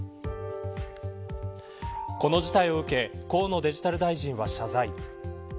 この事態を受け河野デジタル大臣は謝罪。